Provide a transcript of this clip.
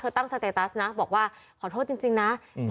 ตั้งสเตตัสนะบอกว่าขอโทษจริงนะ